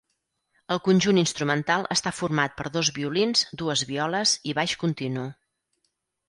El conjunt instrumental està format per dos violins, dues violes i baix continu.